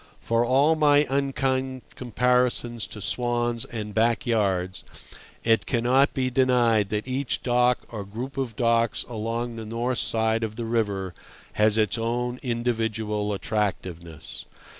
For all my unkind comparisons to swans and backyards, it cannot be denied that each dock or group of docks along the north side of the river has its own individual attractiveness.